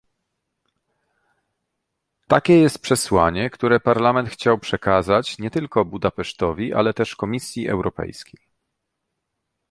Takie jest przesłanie, które Parlament chciał przekazać nie tylko Budapesztowi, ale też Komisji Europejskiej